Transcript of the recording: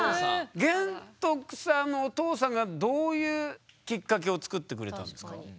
玄徳さんのお父さんがどういうきっかけを作ってくれたんですか？